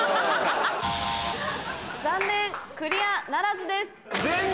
残念クリアならずです。